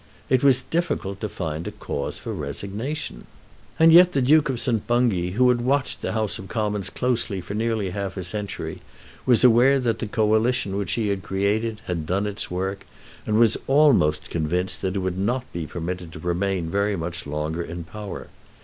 It was difficult to find a cause for resignation. And yet the Duke of St. Bungay, who had watched the House of Commons closely for nearly half a century, was aware that the Coalition which he had created had done its work, and was almost convinced that it would not be permitted to remain very much longer in power.